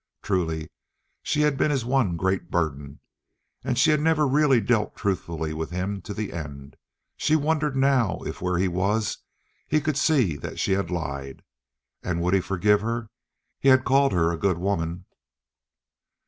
Truly she had been his one great burden, and she had never really dealt truthfully with him to the end. She wondered now if where he was he could see that she had lied. And would he forgive her? He had called her a good woman.